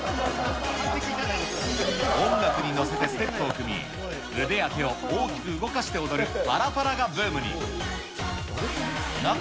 音楽に乗せてステップを踏み、腕や手を大きく動かして踊る、パラパラがブームに。